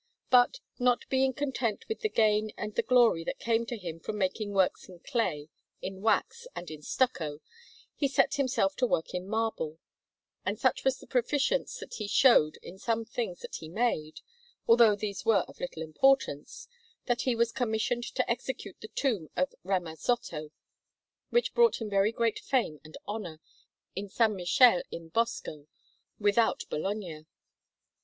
But, not being content with the gain and the glory that came to him from making works in clay, in wax, and in stucco, he set himself to work in marble; and such was the proficience that he showed in some things that he made, although these were of little importance, that he was commissioned to execute the tomb of Ramazzotto, which brought him very great fame and honour, in S. Michele in Bosco, without Bologna.